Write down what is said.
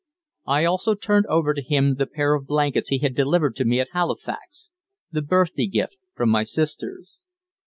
I also turned over to him the pair of blankets he had delivered to me at Halifax the birthday gift from my sisters.